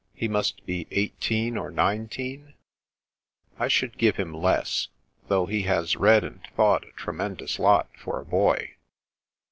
He must be eighteen or nineteen ?"" I should give him less, though he has read and thought a tremendous lot for a boy."